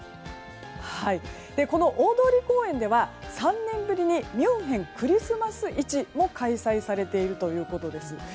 この大通公園では、３年ぶりにミュンヘンクリスマス市も開催されているということです。